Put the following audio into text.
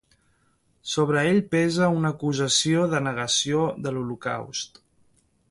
Sobre ell pesa una acusació de negació de l'Holocaust.